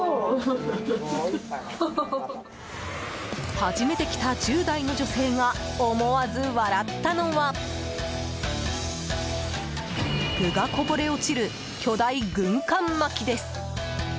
初めて来た１０代の女性が思わず笑ったのは具がこぼれ落ちる巨大軍艦巻きです！